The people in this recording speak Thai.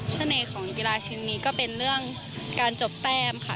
ชะเนของกีฬาชีวิตนี้ก็เป็นเรื่องการจบแตมค่ะ